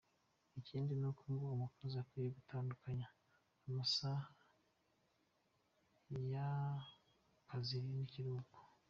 Ikindi ni uko ngo umukozi akwiye gutandukanya amasaha y’ akazi n’ ikiruhuko.